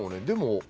でも。